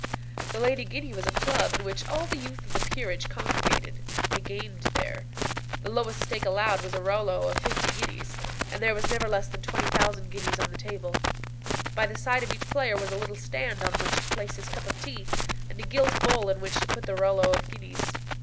The Lady Guinea was a club in which all the youth of the peerage congregated. They gamed there. The lowest stake allowed was a rouleau of fifty guineas, and there was never less than 20,000 guineas on the table. By the side of each player was a little stand on which to place his cup of tea, and a gilt bowl in which to put the rouleaux of guineas.